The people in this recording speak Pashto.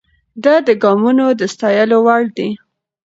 د ده ګامونه د ستایلو وړ دي.